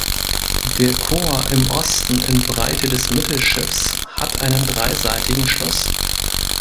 Der Chor im Osten in Breite des Mittelschiffs hat einen dreiseitigen Schluss.